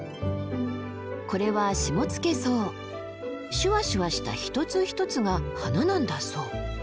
これはシュワシュワした一つ一つが花なんだそう。